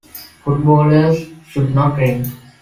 Footballers should not drink.